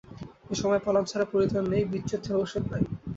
এ সময়ে পলায়ন ছাড়া পরিত্রাণ নাই, বিচ্ছেদ ছাড়া ঔষধ নাই।